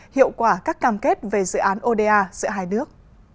hiệu quả các cam kết về dự án oda giữa hai nước